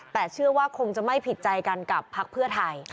แต่เชื่อว่าคงจะไม่ผิดใจกันกับพักเพื่อไทย